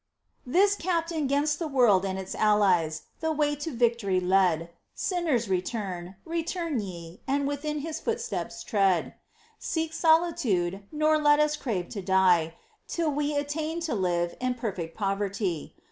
This captain 'gainst the world and its allies The way to victory led, — Sinners, return, return ye, and within His footsteps tread ! Seek solitude, Nor let us crave to die Till we attain to live In perfect poverty.